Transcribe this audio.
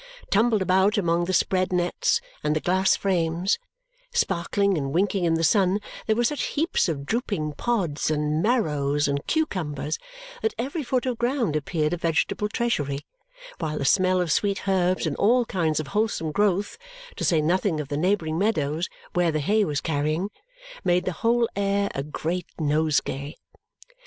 Tumbled about among the spread nets and the glass frames sparkling and winking in the sun there were such heaps of drooping pods, and marrows, and cucumbers, that every foot of ground appeared a vegetable treasury, while the smell of sweet herbs and all kinds of wholesome growth (to say nothing of the neighbouring meadows where the hay was carrying) made the whole air a great nosegay.